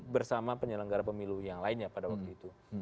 bersama penyelenggara pemilu yang lainnya pada waktu itu